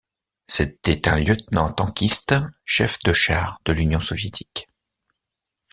C'était un lieutenant tankiste chef de char de l'Union soviétique.